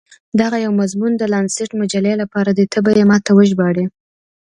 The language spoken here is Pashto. دغه یو مضمون د لانسیټ مجلې لپاره دی، ته به يې ما ته وژباړې.